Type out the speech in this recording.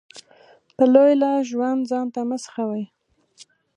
په لوی لاس ژوند ځانته مه سخوئ.